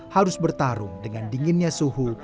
harus bertarung dengan dinginnya suhu